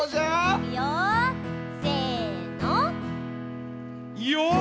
いくよせの！よぉ！